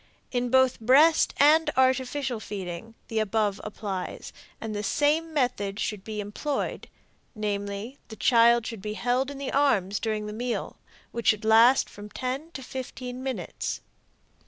In both breast and artificial feeding the above applies, and the same method should be employed; namely, the child should be held in the arms during the meal, which should last from ten to fifteen minutes.